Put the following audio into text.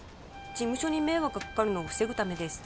事務所に迷惑がかかるのを防ぐためです